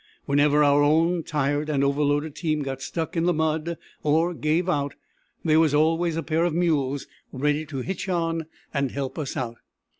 Whenever our own tired and overloaded team got stuck in the mud, or gave out, there was always a pair of mules ready to hitch on and help us out.